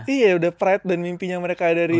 iya udah pride dan mimpinya mereka dari